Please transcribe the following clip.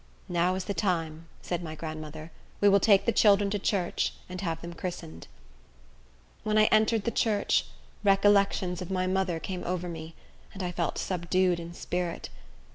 "Now is the time," said my grandmother; "we will take the children to church, and have them christened." When I entered the church, recollections of my mother came over me, and I felt subdued in spirit.